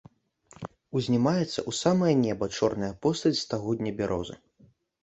Узнімаецца ў самае неба чорная постаць стагодняй бярозы.